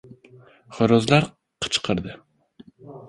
Xo‘rozlar qichkirdi.